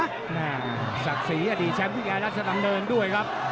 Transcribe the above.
แม่ศักดิ์ศรีอดีตแชมป์พี่แอร์รัชดำเนินด้วยครับ